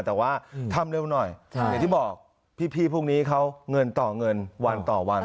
แต่ว่าทำเร็วหน่อยอย่างที่บอกพี่พวกนี้เขาเงินต่อเงินวันต่อวัน